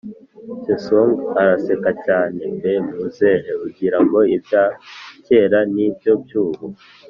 sesonga araseka cyane “mbe muzehe, ugira ngo ibya kera ni byo by’ubu?